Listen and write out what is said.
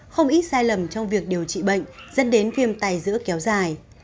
không ít sai lầm trong việc điều trị bệnh dẫn đến viêm tay dữa kéo dài